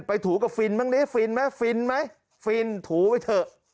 ไปถูกันฟินบ้างฟินไหมฟินมั้ยฟินถูไว้เถอะ